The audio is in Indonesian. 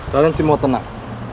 kalian semua tenang